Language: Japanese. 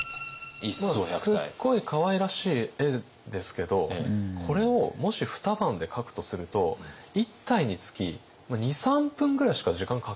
すっごいかわいらしい絵ですけどこれをもし二晩で描くとすると１体につき２３分ぐらいしか時間かけられないわけですよ。